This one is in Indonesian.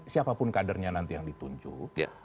siapapun kadernya nanti yang ditunjuk